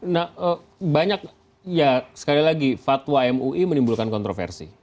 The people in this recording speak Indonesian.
nah banyak ya sekali lagi fatwa mui menimbulkan kontroversi